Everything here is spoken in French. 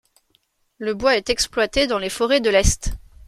Le bois est exploité dans les forêts de l’est.